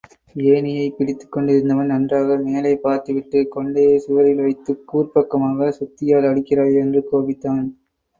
ஏணியைப் பிடித்துக்கொண்டிருந்தவன், நன்றாக மேலே பார்த்துவிட்டு கொண்டையை சுவரில் வைத்துக் கூர்ப்பக்கமாக சுத்தியால் அடிக்கிறாயே என்று கோபித்தான்.